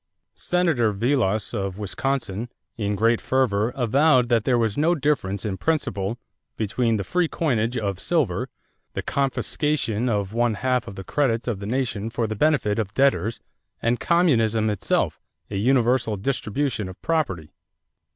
Senator Vilas of Wisconsin, in great fervor, avowed that there was no difference in principle between the free coinage of silver "the confiscation of one half of the credits of the nation for the benefit of debtors" and communism itself "a universal distribution of property."